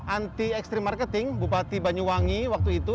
anti extre marketing bupati banyuwangi waktu itu